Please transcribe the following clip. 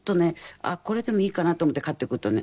これでもいいかなと思って買ってくるとね